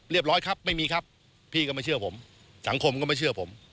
ร้อยครับไม่มีครับพี่ก็ไม่เชื่อผมสังคมก็ไม่เชื่อผม